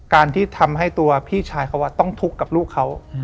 การที่ทำให้ตัวพี่ชายเขาต้องทุกข์กับลูกเขา